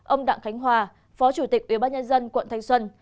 ông đặng khánh hòa phó chủ tịch ubnd quận thanh xuân